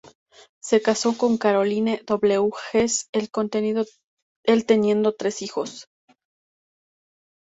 Se casó con Caroline W. Hess el teniendo tres hijos.